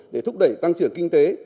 để thúc đẩy tăng trưởng kinh tế